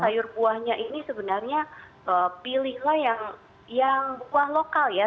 sayur buahnya ini sebenarnya pilihlah yang buah lokal ya